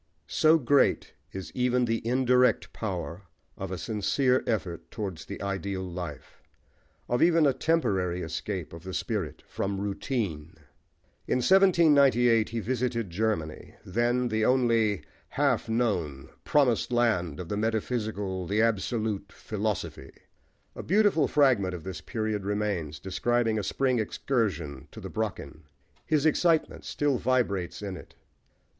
So great is even the indirect power of a sincere effort towards the ideal life, of even a temporary escape of the spirit from routine. In 1798 he visited Germany, then, the only half known, "promised land," of the metaphysical, the "absolute," philosophy. A beautiful fragment of this period remains, describing a spring excursion to the Brocken. His excitement still vibrates in it.